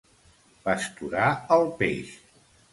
Pasturar el peix.